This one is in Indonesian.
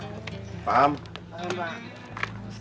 selamat malam pak